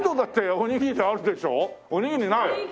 おにぎりはない。